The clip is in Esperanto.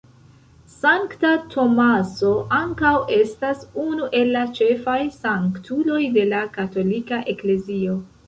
Sankta Tomaso ankaŭ estas unu el la ĉefaj sanktuloj de la Katolika Eklezio.